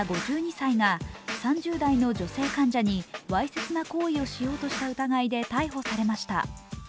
５２歳が３０代の女性患者にわいせつな行為をしようとした疑いで逮捕されました。